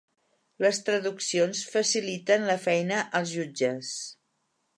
Les traduccions faciliten la feina als jutges.